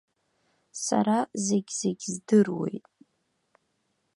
Сара зегь-зегь здыруеит!